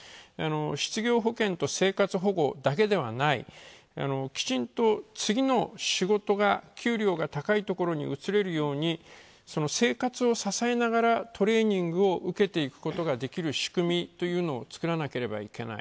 失業保険と生活保護だけではないきちんと次の仕事が、給料が高いところに結べるように生活を支えながらトレーニングを受けていくことができる仕組みというのを作らなければいけない。